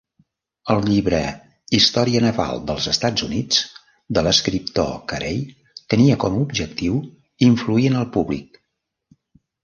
El llibre "Història naval dels Estats Units" de l'escriptor Carey tenia com a objectiu influir en el públic.